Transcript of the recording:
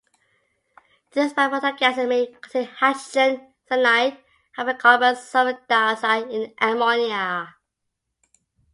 These by-product gases may also contain hydrogen cyanide, hydrocarbons, sulfur dioxide or ammonia.